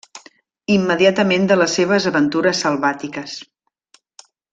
Immediatament de les seves aventures selvàtiques.